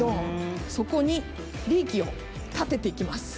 そこにリーキを立てて行きます。